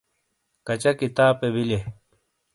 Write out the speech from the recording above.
کچا کتاپے بیلئیے؟